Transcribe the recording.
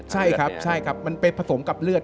ใช่ครับมันเป็นผสมกับเลือด